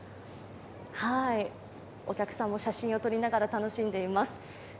お客さんも写真を撮りながら楽しんでいます。